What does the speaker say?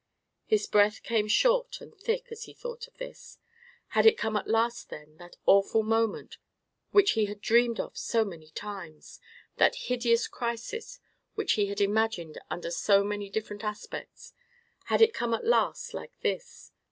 His breath came short and thick as he thought of this. Had it come at last, then, that awful moment which he had dreamed of so many times—that hideous crisis which he had imagined under so many different aspects? Had it come at last, like this?